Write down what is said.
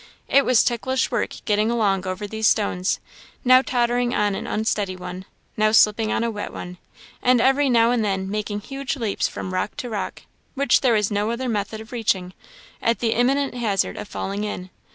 It was ticklish work getting along over these stones; now tottering on an unsteady one, now slipping on a wet one and every now and then making huge leaps from rock to rock, which there was no other method of reaching, at the imminent hazard of falling in.